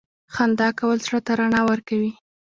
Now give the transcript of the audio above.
• خندا کول زړه ته رڼا ورکوي.